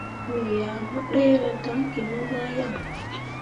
Me ah mu ɗerah daŋki me zah yan.